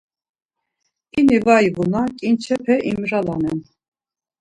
İni var ivuna ǩinçepe imralanen.